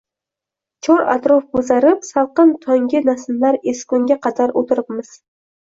Chor-atrof boʻzarib, salqin tonggi nasimlar esgunga qadar oʻtiribmiz.